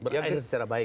berakhir secara baik